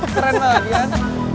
keren banget kan